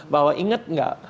bahwa inget gak